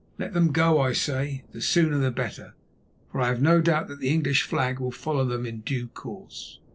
Let them go; I say, the sooner the better, for I have no doubt that the English flag will follow them in due course."